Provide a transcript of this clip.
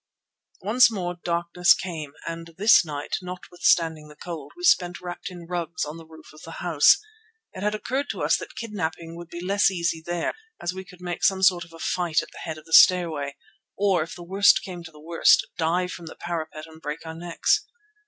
Once more darkness came, and this night, notwithstanding the cold, we spent wrapped in rugs, on the roof of the house. It had occurred to us that kidnapping would be less easy there, as we could make some sort of a fight at the head of the stairway, or, if the worst came to the worst, dive from the parapet and break our necks.